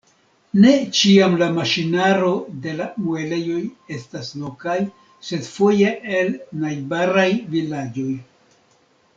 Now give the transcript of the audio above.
Ne ĉiam la maŝinaro de la muelejoj estas lokaj, sed foje el najbaraj vilaĝoj.